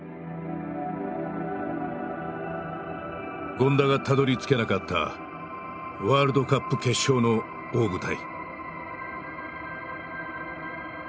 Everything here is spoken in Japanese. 権田がたどりつけなかったワールドカップ決勝の大舞台。